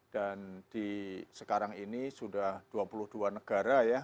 dan di sekarang ini sudah dua puluh dua negara ya